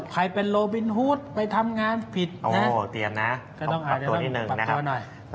ใครเป็นโรบินฮูทไปทำงานผิดต้องปรับตัวนิดนึงนะครับ